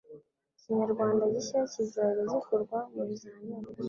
Ikinyarwanda gishya kizajya gikorwa mu bizamini